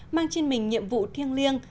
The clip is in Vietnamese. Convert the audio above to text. mang trên mình nhiệm vụ thiêng liêng